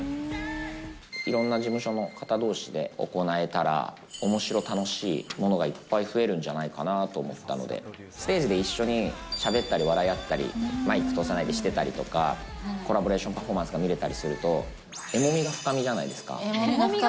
いろんな事務所の方どうしで行えたら、おもしろ楽しいものがいっぱい増えるんじゃないかなと思ったので、ステージで一緒にしゃべったり笑い合ったり、マイク通さないでしてたりとか、コラボレーションパフォーマンスが見れたりすると、エモみがフカミじゃないですか。